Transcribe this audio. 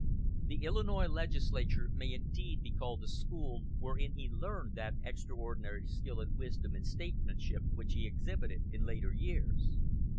The Illinois legislature may indeed be called the school wherein he learned that extraordinary skill and wisdom in statesmanship which he exhibited in later years.